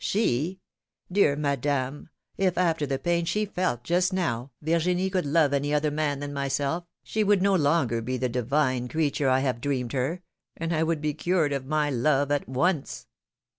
'^She? Dear Madame, if, after the pain she felt just now, Virginie could love any other man than myself, she would no longer be the divine creature I have dreamed her, and I would be cured of my love at once."